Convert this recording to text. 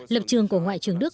lập trường của ngoại trưởng đức